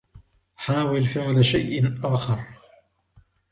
حاولِ فعل شيء آخر.